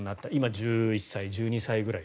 １１歳、１２歳ぐらい。